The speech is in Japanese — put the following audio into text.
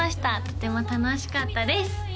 とても楽しかったです